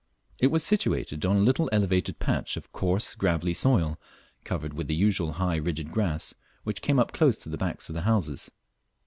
It was situated on a little elevated patch of coarse gravelly soil, covered with the usual high rigid grass, which came up close to the backs of the houses.